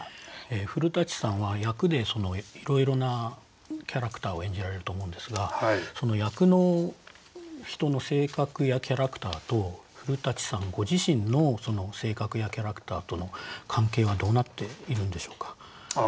古さんは役でいろいろなキャラクターを演じられると思うんですがその役の人の性格やキャラクターと古さんご自身の性格やキャラクターとの関係はどうなっているんでしょうか？